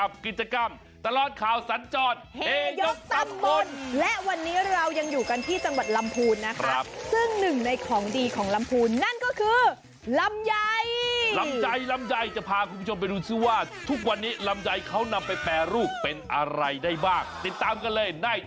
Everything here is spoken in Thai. ว้าวฮอละลานตามินเลยได้มาจะบอกว่ามาลำพูนไม่พูดถึงลำใยบ้าจะไม่ได้